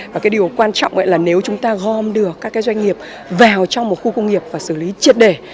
và cái điều quan trọng ấy là nếu chúng ta gom được các cái doanh nghiệp vào trong một khu công nghiệp và xử lý triệt để